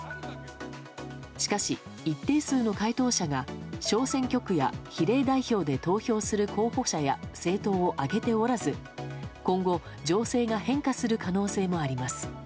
しかし、一定数の回答者が小選挙区や比例代表で投票する候補者や政党を挙げておらず今後、情勢が変化する可能性もあります。